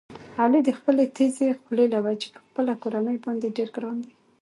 علي د خپلې تېزې خولې له وجې په خپله کورنۍ باندې ډېر ګران دی.